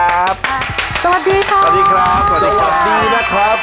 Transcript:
สวัสดีครับสวัสดีครับสวัสดีครับสวัสดีนะครับ